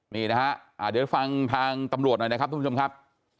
นี่นะฮะเดี๋ยวฟังทางตำรวจหน่อยนะครับทุกผู้ชมครับ